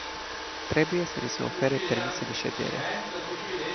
Trebuie să li se ofere permise de ședere.